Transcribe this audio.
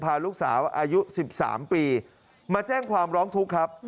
พาลูกสาวอายุ๑๓ปีมาแจ้งความร้องทุกข์ครับ